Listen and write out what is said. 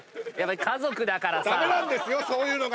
家族だからさ。